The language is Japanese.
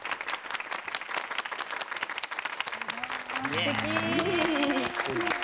すてき！